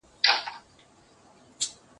د هر ښار په جنایت کي به شامل وو